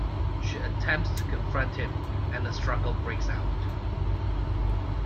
She attempts to confront him, and a struggle breaks out.